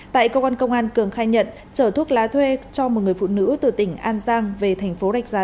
tại cơ quan công an cường khai nhận chở thuốc lá thuê cho một người phụ nữ từ tỉnh an giang về thành phố rạch giá